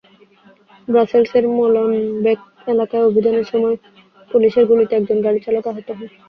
ব্রাসেলসের মোলেনবেক এলাকায় অভিযানের সময় পুলিশের গুলিতে একজন গাড়িচালক আহত হন।